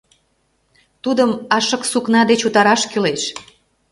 Тудым ашык-сукна деч утараш кӱлеш!